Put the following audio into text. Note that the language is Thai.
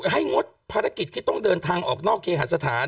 ให้งดภารกิจที่ต้องเดินทางออกนอกเกียรติศาสตร์